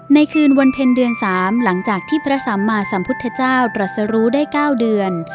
คืนวันเพ็ญเดือน๓หลังจากที่พระสัมมาสัมพุทธเจ้าตรัสรู้ได้๙เดือน